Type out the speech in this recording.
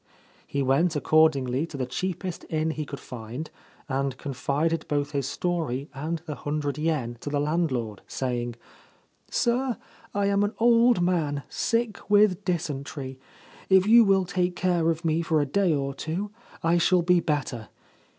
He went, accordingly, to the cheapest inn he could find, and confided both his story and the hundred yen to the land lord, saying :' Sir, I am an old man, sick with dysentery. If you will take care of me for a day or two I shall be better.